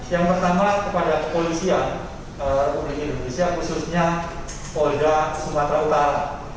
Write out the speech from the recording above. yang pertama kepada kepolisian republik indonesia khususnya polda sumatera utara